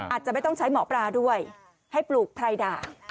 อาจจะไม่ต้องใช้หมอปลาด้วยให้ปลูกไพรด่า